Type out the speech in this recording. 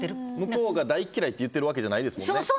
向こうが大嫌いと言ってるわけじゃないですもんね。